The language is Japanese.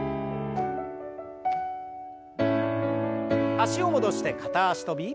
脚を戻して片脚跳び。